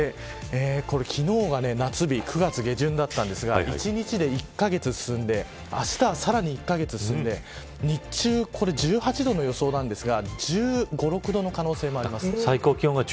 昨日が夏日９月下旬だったんですが１日で１カ月進んであしたはさらに１カ月進んで日中、１８度の予想なんですが１５、１６度の可能性もあります。